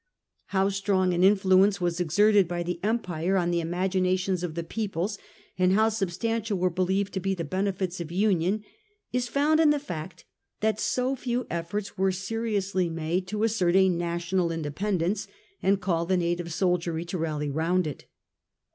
How strong an influence was exerted by the Empire on the imaginations of the peoples, and how substantial were believed to be the benefits of union, is found in the fact that so few efforts were seriously made to assert a national independence and call the native soldiery to rally round it.